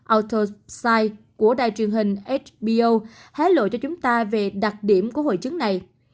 autosci của đài truyền hình hbo hái lộ cho chúng ta về đặc điểm của hội chứng này